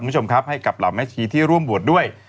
คุณผู้ชมครับให้กับเหล่าแม่ชีที่ร่วมบวชด้วย